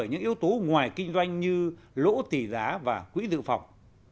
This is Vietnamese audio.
những yếu tố ngoài kinh doanh như lỗ tỷ giá và quỹ dự phòng